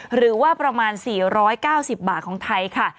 หรือว่าประมาณ๔๙๐บาทของไทยค่ะ